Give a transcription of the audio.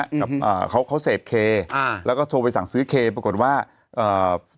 กับอ่าเขาเขาเสพเคอ่าแล้วก็โทรไปสั่งซื้อเคปรากฏว่าเอ่อ